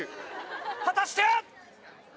果たして。